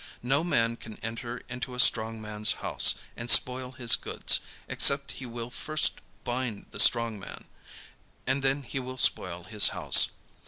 No man can enter into a strong man's house, and spoil his goods, except he will first bind the strong man; and then he will spoil his house.